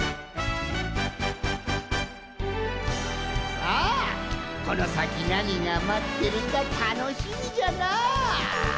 さあこのさきなにがまってるかたのしみじゃなぁ！